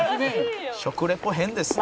「食リポ変ですね」